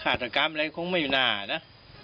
ฆ่าตกรรมอะไรคงไม่อยู่นานน่ะ